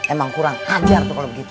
emang kurang ajar tuh kalau begitu